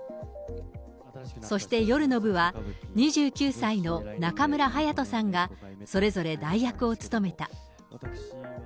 そして夜の部は、２９歳の中村隼人さんがそれぞれ代役を勤めた。